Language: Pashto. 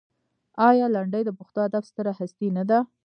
آیا لنډۍ د پښتو ادب ستره هستي نه ده؟